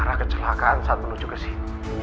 karena kecelakaan saat menuju ke sini